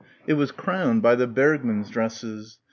It was crowned by the Bergmanns' dresses.